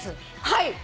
はい。